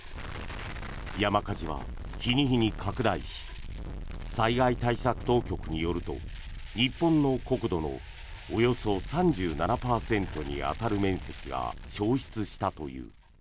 山火事は日に日に拡大し災害対策当局によると日本の国土のおよそ３７％に当たる面積が焼失したという。